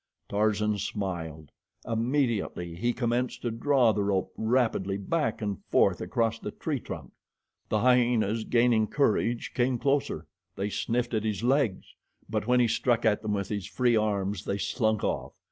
Tarzan smiled. Immediately he commenced to draw the rope rapidly back and forth across the tree trunk. The hyenas, gaining courage, came closer. They sniffed at his legs; but when he struck at them with his free arms they slunk off.